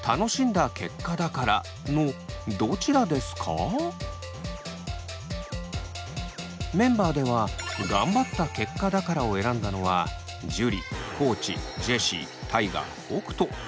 あなたがメンバーでは「がんばった結果だから」を選んだのは樹地ジェシー大我北斗。